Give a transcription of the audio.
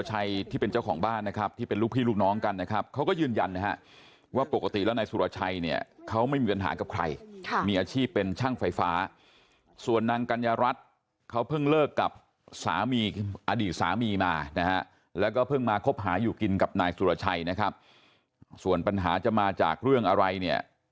ที่เป็นเจ้าของบ้านนะครับที่เป็นลูกพี่ลูกน้องกันนะครับเขาก็ยืนยันนะฮะว่าปกติแล้วนายสุรชัยเนี่ยเขาไม่มีปัญหากับใครมีอาชีพเป็นช่างไฟฟ้าส่วนนางกัญญารัฐเขาเพิ่งเลิกกับสามีอดีตสามีมานะฮะแล้วก็เพิ่งมาคบหาอยู่กินกับนายสุรชัยนะครับส่วนปัญหาจะมาจากเรื่องอะไรเนี่ย